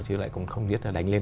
chứ lại không biết là đánh lên